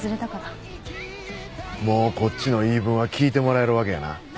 もうこっちの言い分は聞いてもらえるわけやな。